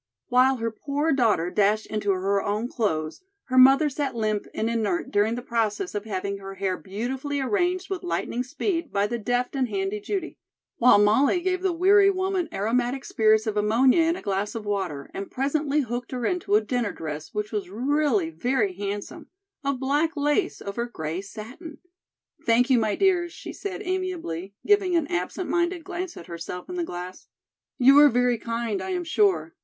While her poor daughter dashed into her own clothes, her mother sat limp and inert during the process of having her hair beautifully arranged with lightning speed by the deft and handy Judy, while Molly gave the weary woman aromatic spirits of ammonia in a glass of water and presently hooked her into a dinner dress which was really very handsome, of black lace over gray satin. "Thank you, my dears," she said amiably, giving an absent minded glance at herself in the glass. "You are very kind, I am sure.